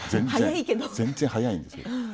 全然、早いんですけれど。